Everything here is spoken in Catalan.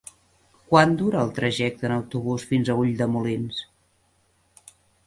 Quant dura el trajecte en autobús fins a Ulldemolins?